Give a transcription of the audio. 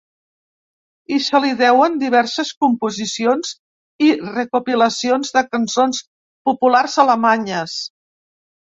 I se li deuen diverses composicions i recopilacions de cançons populars alemanyes.